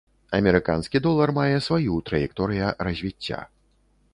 Амерыканскі долар мае сваю траекторыя развіцця.